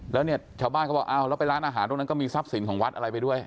แล้วเนี่ยชาวบ้านเขาบอกอ้าวแล้วไปร้านอาหารตรงนั้นก็มีทรัพย์สินของวัดอะไรไปด้วย